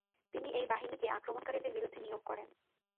তিনি এই বাহিনীকে আক্রমনকারীদের বিরুদ্ধে নিয়োগ করেন।